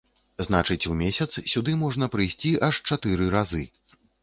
Значыць у месяц сюды можна прыйсці аж чатыры разы.